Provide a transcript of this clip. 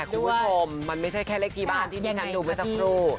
คุณผู้ชมมันไม่ใช่แค่เลขที่บ้านที่ที่ฉันดูเมื่อสักครู่